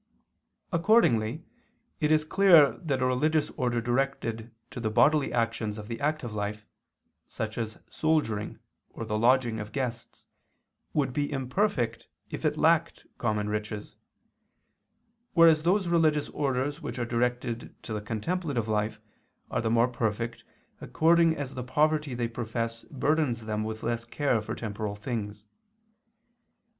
Accordingly it is clear that a religious order directed to the bodily actions of the active life, such as soldiering or the lodging of guests, would be imperfect if it lacked common riches; whereas those religious orders which are directed to the contemplative life are the more perfect, according as the poverty they profess burdens them with less care for temporal things.